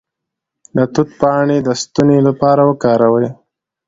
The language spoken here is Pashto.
د توت پاڼې د ستوني لپاره وکاروئ